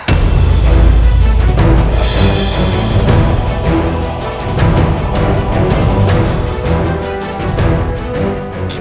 tunggu aku punya ide